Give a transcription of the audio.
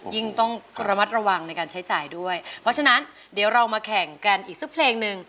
ยิ่งต้องระมัดระวังในการใช้จ่ายด้วยเพราะฉะนั้นเดี๋ยวเรามาแข่งกันอีกสักเพลงหนึ่ง